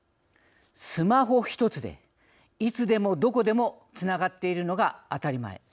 スマホ１つでいつでもどこでもつながっているのが当たり前。